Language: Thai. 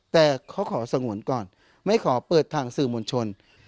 แต่เขาขอสงวนก่อนไม่ขอเปิดทางสื่อมวลชน